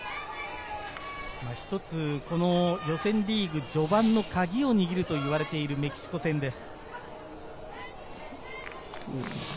予選リーグ序盤のカギを握るといわれているメキシコ戦です。